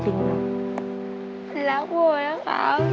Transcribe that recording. รักพ่อนะครับ